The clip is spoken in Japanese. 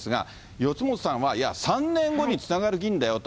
四元さんは、３年後につながる銀だよと。